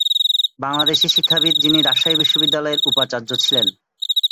বাংলাদেশী শিক্ষাবিদ যিনি রাজশাহী বিশ্ববিদ্যালয়ের উপাচার্য ছিলেন।